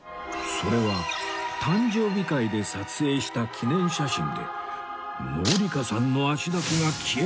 それは誕生日会で撮影した記念写真で紀香さんの足だけが消えているという奇妙な現象